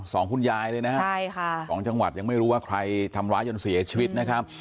สองหุ้นยายเลยนะสองจังหวัดยังไม่รู้ว่าใครทำร้ายจนเสียชีวิตนะครับ